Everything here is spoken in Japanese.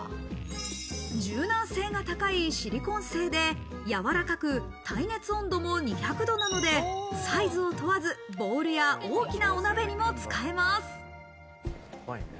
柔軟性が高いシリコン製で、やわらかく、耐熱温度も２００度なのでサイズを問わず、ボウルや大きなお鍋にも使えます。